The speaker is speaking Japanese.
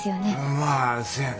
まあせやな。